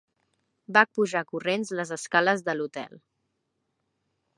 Va pujar corrents les escales de l'hotel.